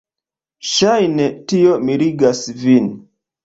Ŝajne tio mirigas vin.